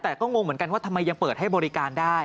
แต่ก็งงเหมือนกันว่าทำไมยังเปิดให้บริการได้